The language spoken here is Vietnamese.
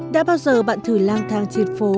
đã bao giờ bạn thử lang thang trên phố